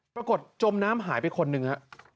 ปรากฏจมน้ำหายไปคนหนึ่ง